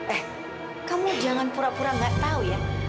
eh kamu jangan pura pura gak tahu ya